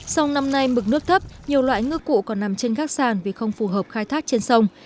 sông năm nay mực nước thấp nhiều loại ngư cụ còn nằm trên các sàn vì không phù hợp khai thác trên sông